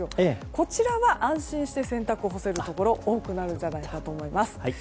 こちらは安心して洗濯物を干せるところが多くなるんじゃないかと思います。